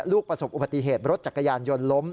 ประสบอุบัติเหตุรถจักรยานยนต์ล้ม